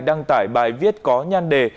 đăng tải bài viết có nhan đề